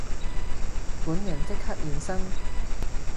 本人即刻現身